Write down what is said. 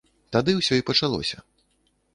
Тады ўсё і пачалося.